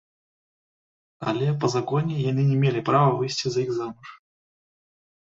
Але, па законе, яны не мелі права выйсці за іх замуж.